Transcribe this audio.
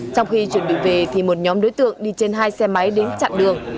trong khi chuẩn bị về thì một nhóm đối tượng đi trên hai xe máy đến chặn đường